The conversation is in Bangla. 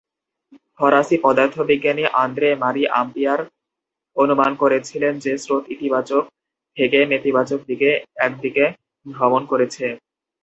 ফরাসি পদার্থবিজ্ঞানী আন্দ্রে-মারি অ্যাম্পিয়ার অনুমান করেছিলেন যে স্রোত ইতিবাচক থেকে নেতিবাচক দিকে এক দিকে ভ্রমণ করেছে।